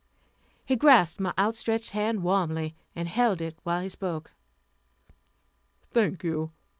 He grasped my outstretched hand warmly, and held it while he spoke: "Thank you.